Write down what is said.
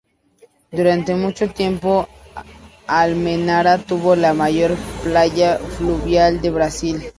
Durante mucho tiempo Almenara tuvo la mayor playa fluvial de Brasil.